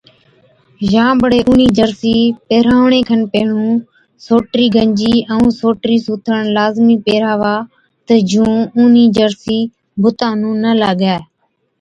يان بڙي اُونِي جرسِي پيهراوڻي کن پيهڻُون سوٽرِي گنجِي ائُون سوٽرِي سُوٿڻ لازمِي پيهراوا تہ جُون اُونِي جرسِي بُتا نُون نہ لاگَي۔